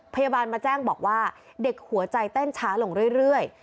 พยาบาลมาแจ้งบอกว่าเด็กหัวใจเต้นช้าลงเรื่อย